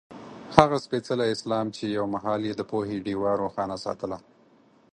هغه سپېڅلی اسلام چې یو مهال یې د پوهې ډېوه روښانه ساتله.